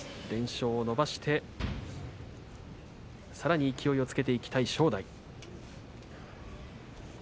連勝を伸ばしてさらに勢いをつけていきたい正代。